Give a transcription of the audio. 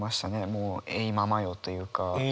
もう「えいままよ」というか。